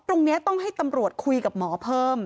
ตรงนี้ต้องให้ตำรวจคุยกับหมอเพิ่ม